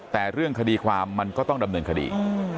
แต่เรื่องคดีความมันก็ต้องดำเนินคดี